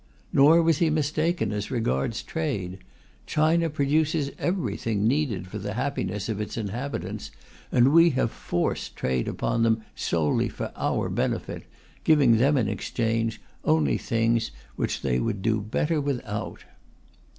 Nor was he mistaken as regards trade: China produces everything needed for the happiness of its inhabitants, and we have forced trade upon them solely for our benefit, giving them in exchange only things which they would do better without.